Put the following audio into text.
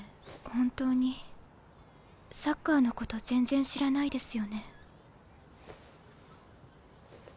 本当にサッカーのこと全然知らないですよね。